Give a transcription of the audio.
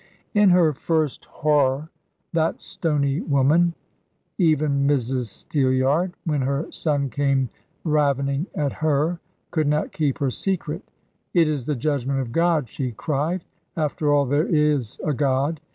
In her first horror, that stony woman, even Mrs Steelyard, when her son came ravening at her, could not keep her secret. "It is the judgment of God," she cried; "after all there is a God.